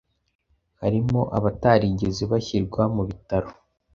harimo abatarigeze bashyirwa mu bitaro